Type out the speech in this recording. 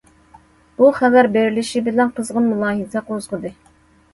بۇ خەۋەر بېرىلىشى بىلەن قىزغىن مۇلاھىزە قوزغىدى.